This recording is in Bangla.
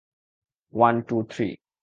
One, two, three.